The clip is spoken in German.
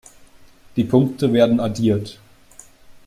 Die Punkte werden addiert.